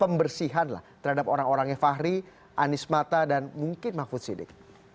pembersihan lah terhadap orang orangnya fahri anies mata dan mungkin mahfud sidik